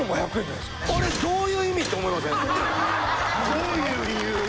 どういう理由。